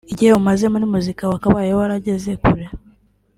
Igihe umaze muri muzika wakabaye warageze kure